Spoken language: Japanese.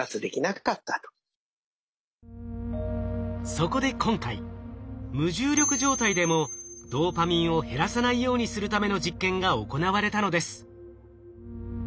そこで今回無重力状態でもドーパミンを減らさないようにするための実験が行われたのです。